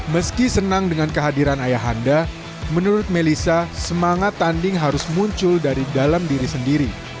meski senang dengan kehadiran ayah anda menurut melissa semangat tanding harus muncul dari dalam diri sendiri